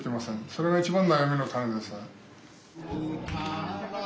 それが一番悩みの種です。